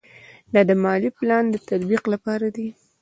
دا د مالي پلان د تطبیق لپاره دی.